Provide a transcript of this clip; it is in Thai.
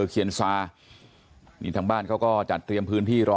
แล้วก็ยัดลงถังสีฟ้าขนาด๒๐๐ลิตร